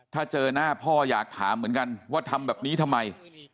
ถ้าเจอหน้าพ่ออยากถามเหมือนกันว่าทำแบบนี้ทำไม